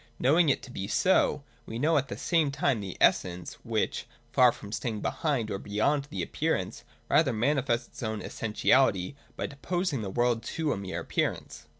Knowing it to be so, we know at the same time the essence, which, far from staying behind or beyond the appearance, rather manifests its own essentiality by deposing the world to a mere appearance.